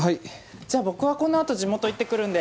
じゃあ僕はこのあと地元行ってくるんで。